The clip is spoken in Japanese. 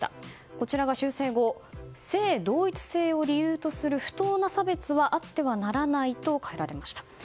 こちらが修正後性同一性を理由とする不当な差別はあってはならないと変えられました。